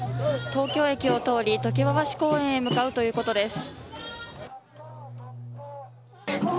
東京駅を通り常盤橋公園へ向かうということです。